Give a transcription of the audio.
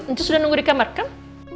nanti sudah nunggu di kamar kan